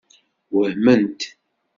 Wehment.